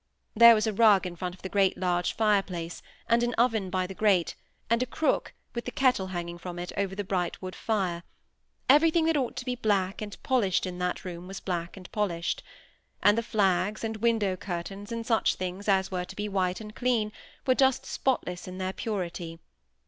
There was a rug in front of the great large fire place, and an oven by the grate, and a crook, with the kettle hanging from it, over the bright wood fire; everything that ought to be black and polished in that room was black and polished; and the flags, and window curtains, and such things as were to be white and clean, were just spotless in their purity.